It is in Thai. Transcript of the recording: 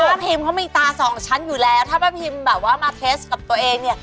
พิมเขามีตาสองชั้นอยู่แล้วถ้าป้าพิมแบบว่ามาเทสกับตัวเองเนี่ย